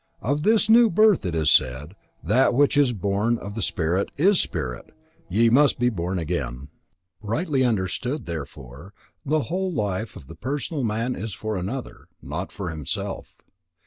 Of this new birth it is said: "that which is born of the Spirit is spirit: ye must be born again." Rightly understood, therefore, the whole life of the personal man is for another, not for himself.